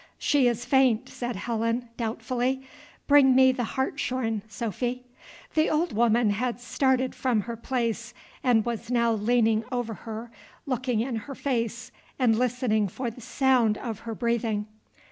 "She is faint," said Helen, doubtfully; "bring me the hartshorn, Sophy." The old woman had started from her place, and was now leaning over her, looking in her face, and listening for the sound of her breathing.